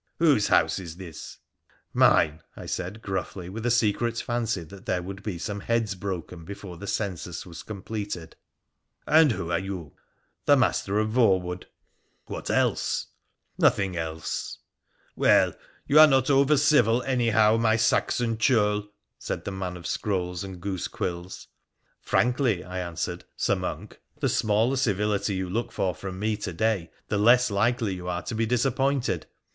' Whose house is this ?'' Mine,' I said gruffly, with a secret fancy that there would be some heads broken before the census was completed. ' And who are you ?'' The Master of Voewood.' PHRA THE PHOENICIAN 97 1 What else ?'' Nothing else !'' Well, you are not over civil, anyhow, my Saxon churl, said the man of scrolls and goose quills. ' Frankly,' I answered, ' Sir Monk, the smaller civility you look for from me to day the less likely you are to be disap pointed.